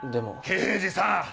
刑事さん！